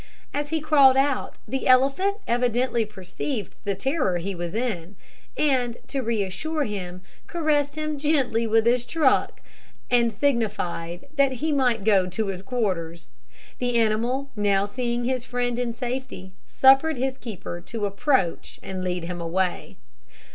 As he crawled out, the elephant evidently perceived the terror he was in, and, to reassure him, caressed him gently with his trunk, and signified that he might go to his quarters. The animal now seeing his friend in safety, suffered his keeper to approach and lead him away.